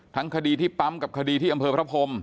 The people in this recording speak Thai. คดีที่ปั๊มกับคดีที่อำเภอพระพรม